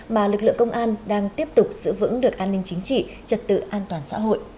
mà lực lượng công an đang tiếp tục giữ vững được an ninh chính trị trật tự an toàn xã hội